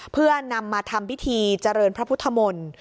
เพื่อนำมาทำพิธีเจริญพระพุทธมนตร์